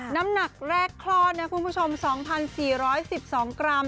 น้ำหนักแรกคลอดนะคุณผู้ชม๒๔๑๒กรัม